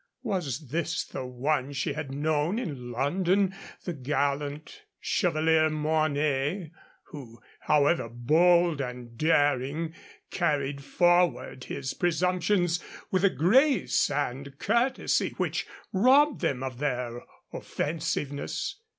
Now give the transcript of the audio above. Was this the one she had known in London, the gallant Chevalier Mornay, who, however bold or daring, carried forward his presumptions with a grace and courtesy which robbed them of their offensiveness?